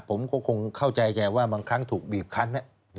ผมก็คงเข้าใจแกว่าบางครั้งถูกบีบคัน